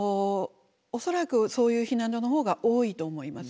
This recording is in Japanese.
恐らくそういう避難所の方が多いと思います。